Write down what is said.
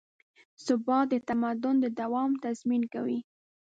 ثبات د تمدن د دوام تضمین کوي.